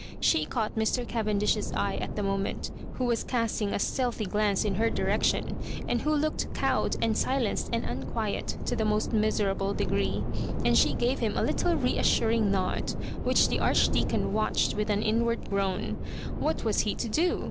She caught Mr. Cavendish's eye at the moment, who was casting a stealthy glance in her direction, and who looked cowed and silenced and unqui.et to the most miserable degree ; and she gave him a little reassuring nod, which the Archdeacon watched with an inward groan. What was he to do?